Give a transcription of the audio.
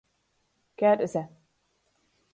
Kerze.